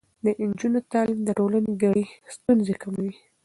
د نجونو تعليم د ټولنې ګډې ستونزې کموي.